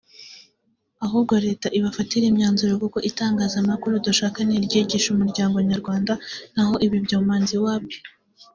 Ahubwo Leta ibafatire imyanzuro kuko itangazamakuru dushaka ni iryigisha umuryango nyarwanda naho ibi byomanzi wapi